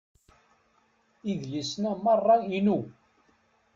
Idlisen-a merra inu.